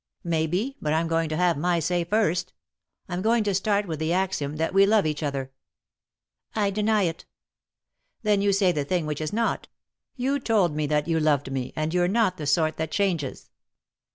" Maybe, but I'm going to have my say first I'm going to start with the axiom that we love each other," "I deny it." " Then you say the thing which is not. You told me that you loved me, and you're not the sort that changes."